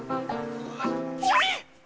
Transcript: それ！